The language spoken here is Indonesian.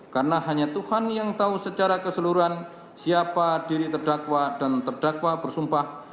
karena hanya tuhan yang tahu secara keseluruhan siapa diri terdakwa dan terdakwa bersumpah